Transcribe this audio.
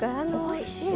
おいしい。